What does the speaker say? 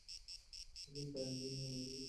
তুমি ওকে আমায় দিবে, লুইস!